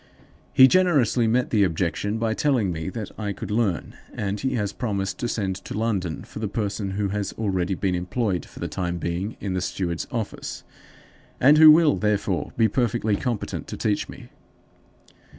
He generously met the objection by telling me that I could learn; and he has promised to send to London for the person who has already been employed for the time being in the steward's office, and who will, therefore, be perfectly competent to teach me.